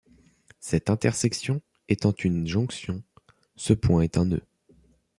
Cette intersection étant une jonction, ce point est un nœud.